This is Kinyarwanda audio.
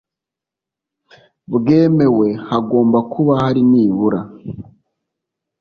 bwemewe hagomba kuba hari nibura